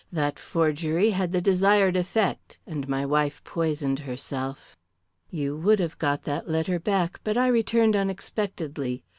That forgery had the desired effect, and my wife poisoned herself. You would have got that letter back, but I returned unexpectedly.